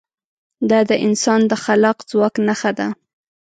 دا د انسان د خلاق ځواک نښه ده.